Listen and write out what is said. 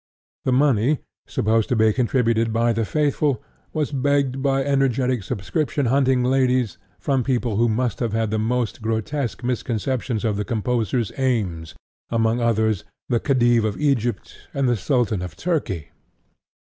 The money, supposed to be contributed by the faithful, was begged by energetic subscription hunting ladies from people who must have had the most grotesque misconceptions of the composer's aims among others, the Khedive of Egypt and the Sultan of Turkey!